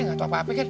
nggak tau apa apa kan